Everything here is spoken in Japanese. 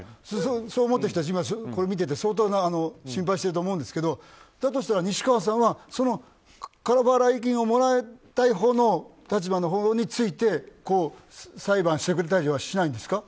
そう思ってた人たちはこれ見てて相当心配してると思うんですけどだとしたら西川さんは過払い金をもらいたいほうの立場のほうについて裁判してくれたりとかしないんですか。